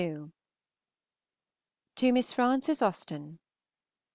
_To Miss Frances Austen.